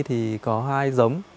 thì có hai dống